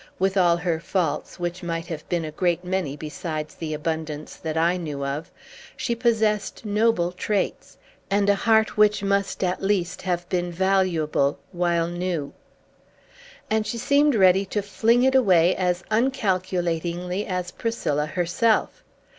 With all her faults (which might have been a great many besides the abundance that I knew of), she possessed noble traits, and a heart which must, at least, have been valuable while new. And she seemed ready to fling it away as uncalculatingly as Priscilla herself.